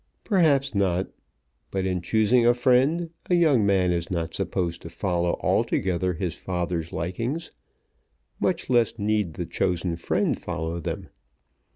Perhaps not. But in choosing a friend a young man is not supposed to follow altogether his father's likings, much less need the chosen friend follow them.